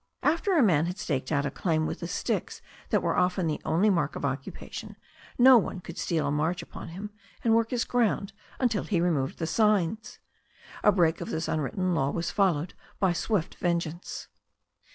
After a man had staked out a claim with the sticks that were often the only mark of occupation, no one could steal a march upon him and work his ground until he removed the signs. A break of this unwritten law was followed by swift vengeance.